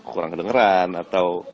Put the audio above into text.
kurang kedengeran atau